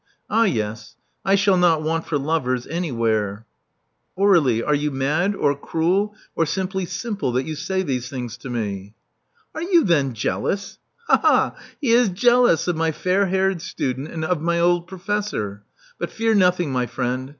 Ah, yes: I shall not want for lovers anywhere." Aur61ie, are you mad, or cruel, or merely simple, that you say these things to me?'* Are you then jealous? Ha! ha! He is jealous of my fair haired student and of my old professor. But fear nothing, my friend.